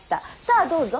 さあどうぞ。